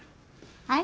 はい。